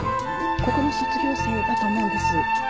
ここの卒業生だと思うんです。